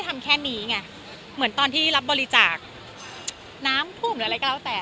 ทำแค่นี้ไงเหมือนตอนที่รับบริจาคน้ำท่วมหรืออะไรก็แล้วแต่